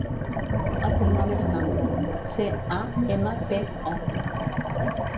El cognom és Campo: ce, a, ema, pe, o.